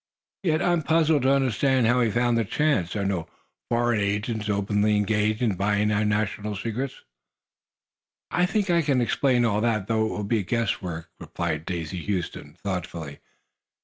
"Yet I am puzzled to understand how he found the chance. There are no foreigners openly engaged in buying our national secrets." "I think I can explain all that, though it will be but guess work," replied Daisy Huston, thoughtfully.